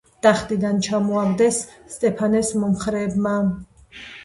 ტახტიდან ჩამოაგდეს სტეფანეს მომხრეებმა.